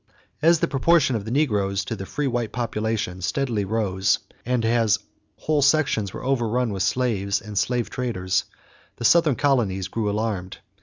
As the proportion of the negroes to the free white population steadily rose, and as whole sections were overrun with slaves and slave traders, the Southern colonies grew alarmed.